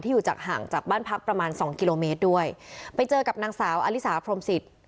อยู่จากห่างจากบ้านพักประมาณสองกิโลเมตรด้วยไปเจอกับนางสาวอลิสาพรมศิษย์